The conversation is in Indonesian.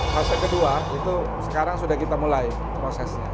fase kedua itu sekarang sudah kita mulai prosesnya